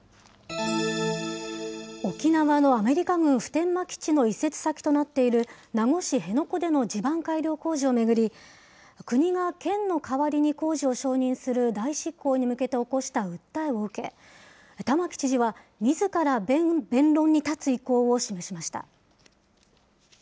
沖縄のアメリカ軍普天間基地の移設先となっている名護市辺野古での地盤改良工事を巡り、国が県の代わりに工事を承認する代執行に向けて起こした訴えを受け、玉城知事はみずから弁論に立つ意向を示しました。